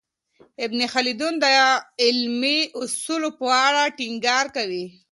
ابن خلدون د علمي اصولو په اړه ټینګار کوي.